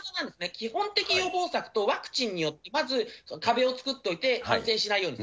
基本的予防策とワクチンによってまず、壁を作っておいて、感染しないように。